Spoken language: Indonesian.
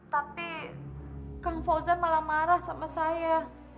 tapi kang fauza malah marah sama saya